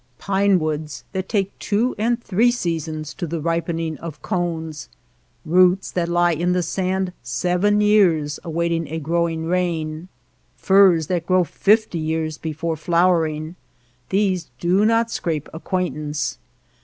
Pine woods that take two and three seasons to the ripening of cones, roots that lie by in the sand seven years awaiting a growing rain, firs that grow fifty years before flowering, — these do not scrape acquaintance.